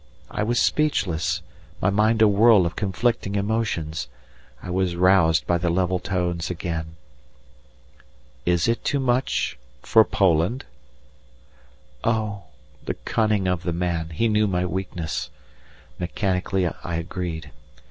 I was speechless, my mind a whirl of conflicting emotions. I was roused by the level tones again. "Is it too much for Poland?" Oh! the cunning of the man; he knew my weakness. Mechanically, I agreed.